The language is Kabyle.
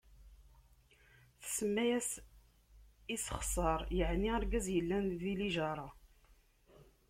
Tsemma-as Isasxaṛ, yeɛni argaz yellan d lijaṛa.